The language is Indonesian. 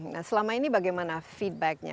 nah selama ini bagaimana feedbacknya